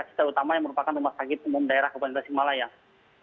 medikasi terutama yang merupakan rumah sakit umum daerah kepala kepala kepala singapura